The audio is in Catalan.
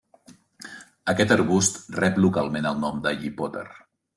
Aquest arbust rep localment el nom de llipoter.